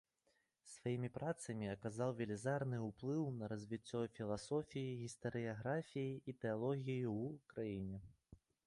Сваімі працамі аказаў велізарны ўплыў на развіццё філасофіі, гістарыяграфіі і тэалогіі ў краіне.